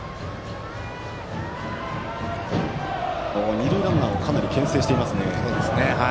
二塁ランナーをかなり、けん制します。